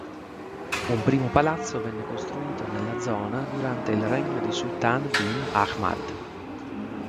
Un primo palazzo venne costruito nella zona durante il regno di Sultan bin Ahmad.